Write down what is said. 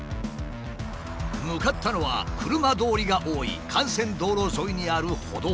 向かったのは車通りが多い幹線道路沿いにある歩道。